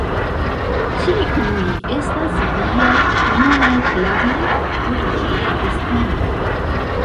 Kiuj estas viaj nunaj planoj por ĝia estonto?